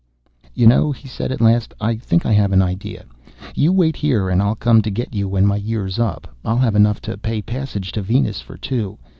"You know," he said at last, "I think I have an idea. You wait here and I'll come get you when my year's up. I'll have enough to pay passage to Venus for two.